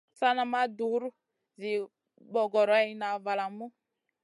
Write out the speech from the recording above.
Sana ma dur zi bogorayna valamu.